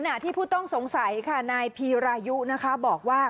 ที่ผู้ต้องสงสัยค่ะนายพีรายุนะคะบอกว่า